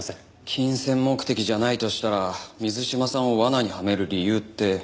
金銭目的じゃないとしたら水島さんを罠にはめる理由って。